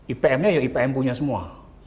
ipm nya ya ipm punya semua